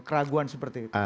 keraguan seperti itu